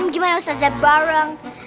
gimana ustazah bareng